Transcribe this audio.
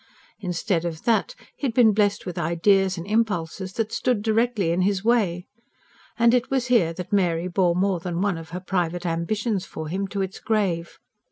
Instead of that, he had been blessed with ideas and impulses that stood directly in his way. And it was here that Mary bore more than one of her private ambitions for him to its grave.